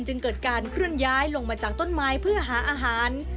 จึงเกิดการเคลื่อนย้ายลงมาจากต้นไม้เพื่อหาอาหาร